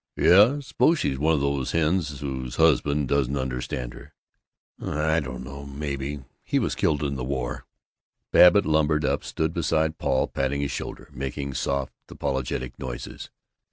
"Yea! I suppose she's one of these hens whose husband 'doesn't understand her'!" "I don't know. Maybe. He was killed in the war." Babbitt lumbered up, stood beside Paul patting his shoulder, making soft apologetic noises.